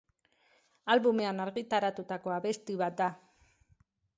Albumean argitaratutako abesti bat da.